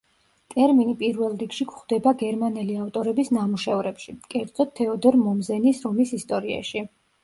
ტერმინი პირველ რიგში გვხვდება გერმანელი ავტორების ნამუშევრებში, კერძოდ, თეოდორ მომზენის რომის ისტორიაში.